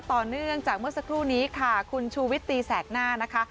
ต่อเนื่องจากเมื่อสักครู่นี้ค่ะคุณชูวิตตีแสกหน้านะคะ